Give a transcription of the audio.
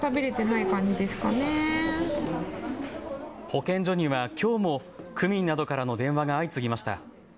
保健所にはきょうも区民などからの電話が相次ぎました。